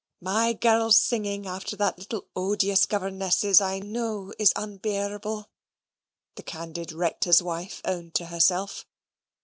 "My girls' singing, after that little odious governess's, I know is unbearable," the candid Rector's wife owned to herself.